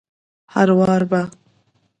هروار به